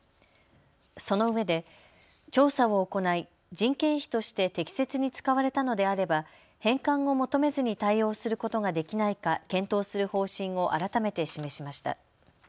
そのうえで調査を行い、人件費として適切に使われたのであれば返還を求めずに対応することができないか検討する方針を改めて示しました。